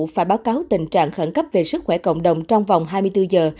và báo cáo tình trạng khẩn cấp về sức khỏe cộng đồng trong vòng hai mươi bốn giờ